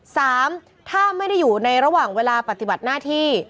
สามถ้าไม่ได้อยู่ในระหว่างเวลาปฏิบัติหน้าที่